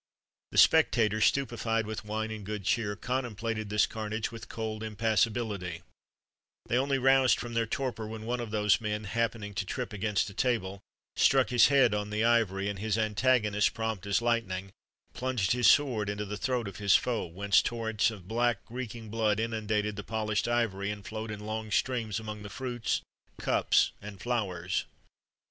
[XXXV 98] The spectators, stupified with wine and good cheer, contemplated this carnage with cold impassibility; they only roused from their torpor when one of those men, happening to trip against a table, struck his head on the ivory, and his antagonist, prompt as lightning, plunged his sword into the throat of his foe, whence torrents of black, reeking blood inundated the polished ivory, and flowed in long streams among the fruits, cups, and flowers.